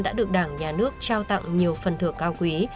đã được đảng nhà nước trao tặng nhiều phần thưởng cao quý